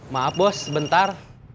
maaf bos sebentar